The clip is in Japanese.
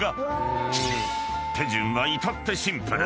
［手順は至ってシンプル。